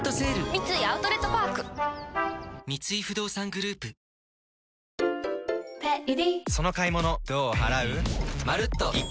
三井アウトレットパーク三井不動産グループヘイ！